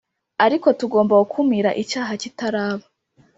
Ariko tugomba gukumira icyaha kitaraba